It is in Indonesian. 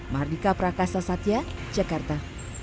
mardika prakasa satya jakarta